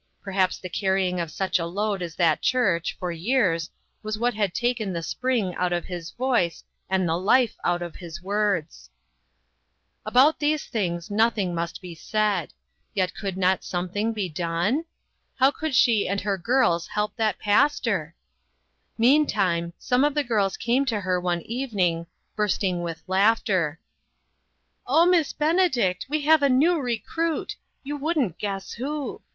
Perhaps the carrying of such a load as that church, for years, was what had taken the spring out of his voice and the life out of his words. 194 INTERRUPTED. About these things nothing must be said, yet could not something be done ? How could she and her girls help that pastor? Meantime, some of the girls came to her one evening, bursting with laughter :" Oh, Miss Benedict, we have a new re cruit ! You couldn't guess who.